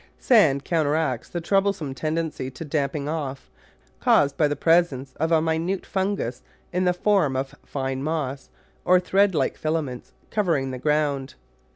Sand counteracts the troublesome tendency to damping off caused by the presence of a minute fungus in the form of a fine moss or thread like filaments covering the ground.